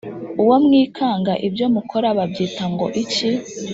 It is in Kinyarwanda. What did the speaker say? uwo mwikanga Ibyo mukora babyita ngo iki